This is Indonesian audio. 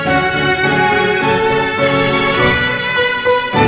aku gak mau mama pergi